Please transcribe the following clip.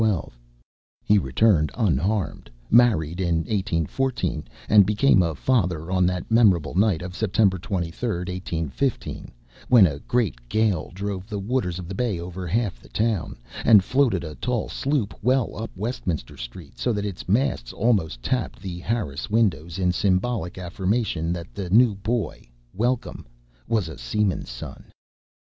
He returned unharmed, married in 1814, and became a father on that memorable night of September 23, 1815, when a great gale drove the waters of the bay over half the town, and floated a tall sloop well up Westminster Street so that its masts almost tapped the Harris windows in symbolic affirmation that the new boy, Welcome, was a seaman's son.